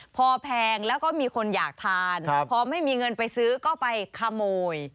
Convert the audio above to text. พอแพงแล้วก็มีคนอยากทานพอไม่มีเงินไปซื้อก็ไปขโมย